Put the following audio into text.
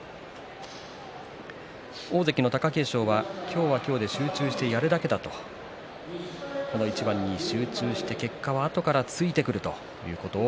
大関の貴景勝は今日は今日で集中してやるだけだとこの一番に集中して結果はあとからついてくるということを